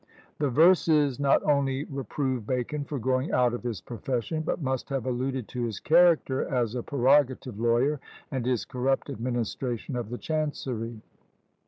The verses not only reprove Bacon for going out of his profession, but must have alluded to his character as a prerogative lawyer, and his corrupt administration of the chancery.